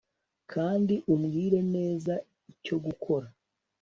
kandi umbwire neza icyo gukora